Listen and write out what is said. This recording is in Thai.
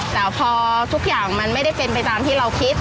แต่พอทุกอย่างมันไม่ได้เป็นไปตามที่เราคิด